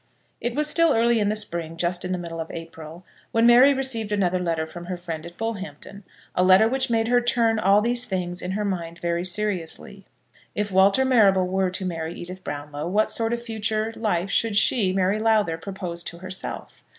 It was still early in the spring, just in the middle of April, when Mary received another letter from her friend at Bullhampton, a letter which made her turn all these things in her mind very seriously. If Walter Marrable were to marry Edith Brownlow, what sort of future life should she, Mary Lowther, propose to herself?